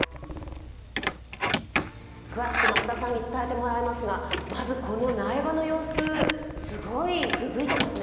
詳しく増田さんに伝えてもらいますがまずこの苗場の様子、すごいふぶいてますね。